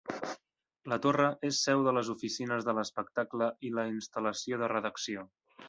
La torre és seu de les oficines de l'espectacle i la instal·lació de redacció